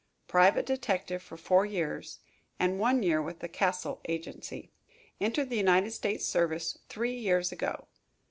Private detective for four years, and one year with the Cassell agency. Entered the United States service three years ago.